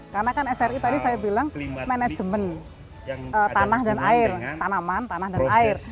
karena kan sri tadi saya bilang manajemen tanah dan air tanaman tanah dan air